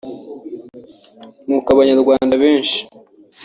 ni uko abanyarwanda benshi